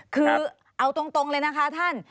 คือเอาตรงเลยนะคะท่าน